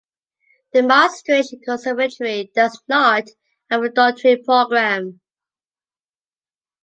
The Maastricht Conservatory does not have a doctorate program.